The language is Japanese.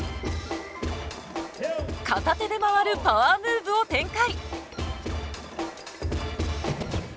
片手で回るパワームーブを展開。